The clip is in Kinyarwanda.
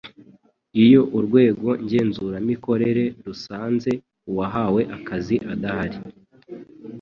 iyo urwego ngenzuramikorere rusanze uwahawe akazi adahari